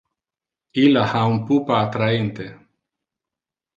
Illa ha un pupa attrahente.